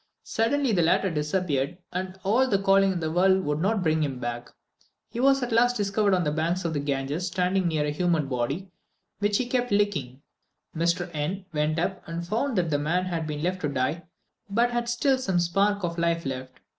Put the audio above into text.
Suddenly the latter disappeared, and all the calling in the world would not bring him back. He was at last discovered on the banks of the Ganges, standing near a human body, which he kept licking. Mr. N went up and found that the man had been left to die, but had still some spark of life left.